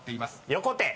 「横手」